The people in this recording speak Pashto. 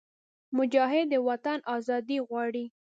مجاهد د وطن ازادي غواړي.